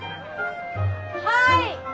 ・はい！